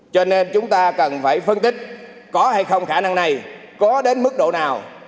cho nên chúng ta cần phải phân tích có hay không khả năng này có đến mức độ nào